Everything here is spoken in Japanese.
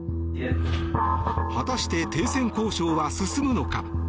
果たして、停戦交渉は進むのか。